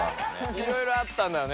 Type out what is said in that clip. いろいろあったんだよね